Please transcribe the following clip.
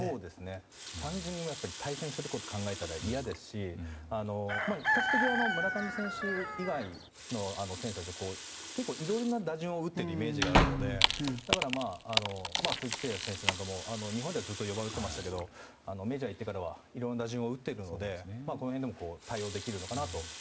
単純に対戦することを考えたら、嫌ですし比較的、村上選手以外の選手たちは結構いろんな打順を打ってるイメージがあるので鈴木誠也選手も日本ではずっと４番で行ってましたけどメジャーいってからはいろいろな打順を打っていくので対応できるのかなと。